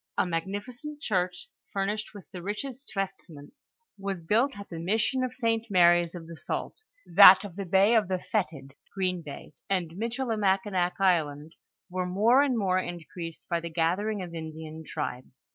A magnificent church, furnished with the richest vestments, was built at the mission of St. Mary's of the jault; that of the bay of the Fetid (Green bay), and Michilimakinak island, were moi*e and more increased by the gathering of Indian tribes.